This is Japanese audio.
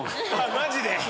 マジで？